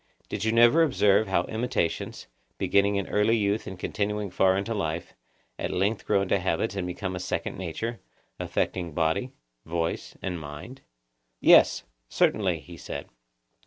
Did you never observe how imitations, beginning in early youth and continuing far into life, at length grow into habits and become a second nature, affecting body, voice, and mind? Yes, certainly, he said.